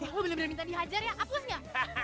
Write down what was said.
lo bener bener minta dihajar ya hapusnya